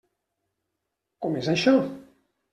Com és això?